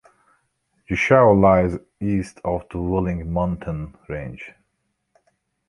Jishou lies east of the Wuling Mountain range.